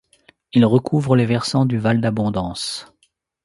Il recouvre les versants du val d'Abondance.